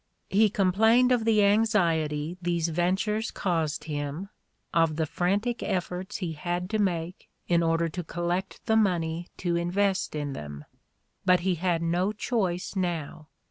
He complained of the anxiety these ventures caused him, of the frantic efforts he had to make in order to collect the money to invest in them. But he had no choice now.